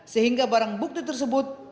sehingga barang bukti tersebut